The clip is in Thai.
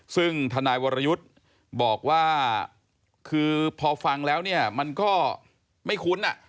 ซึ่งทนายวรยุทธ์บอกว่าคือพอฟังแล้วเนี่ยมันก็ไม่คุ้น